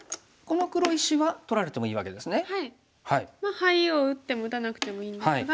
ハイを打っても打たなくてもいいんですが。